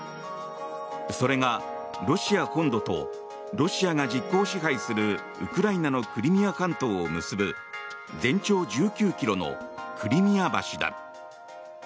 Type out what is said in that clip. それが、ロシア本土とロシアが実効支配するウクライナのクリミア半島を結ぶ全長１９ｋｍのクリミア橋だ。